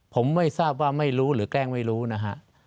ผมไม่ทราบว่าไม่รู้หรือแกล้งไม่รู้นะฮะ